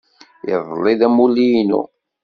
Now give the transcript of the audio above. Iḍelli d amulli-inu.